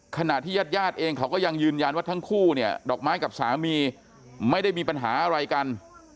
ขณะที่ญาติญาติเองเขาก็ยังยืนยันว่าทั้งคู่เนี่ยดอกไม้กับสามีไม่ได้มีปัญหาอะไรกัน